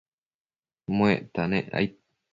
muecta nec aid